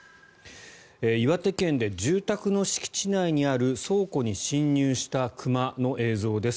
岩手県で住宅の敷地内にある倉庫に侵入した熊の映像です。